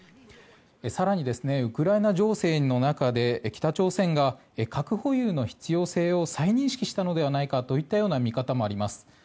更にウクライナ情勢の中で北朝鮮が核保有の必要性を再認識したのではないかという見方もあります。